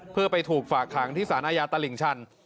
เพื่อไปถูกฝากขังที่สารอาญาตลิ่งชัน